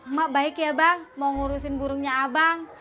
emak baik ya bang mau ngurusin burungnya abang